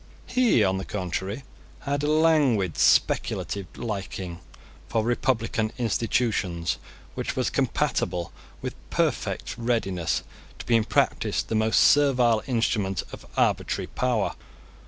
He, on the contrary, had a languid speculative liking for republican institutions which was compatible with perfect readiness to be in practice the most servile instrument of arbitrary power.